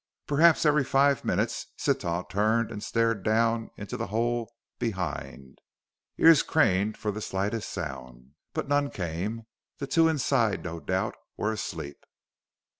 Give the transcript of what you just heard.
Perhaps every five minutes Sitah turned and stared down into the hole behind, ears craned for the slightest sound. But none came. The two inside, no doubt, were asleep.